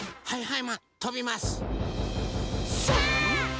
はい！